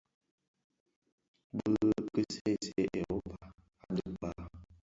Bi ki ki see see Europa, adhi kpaa,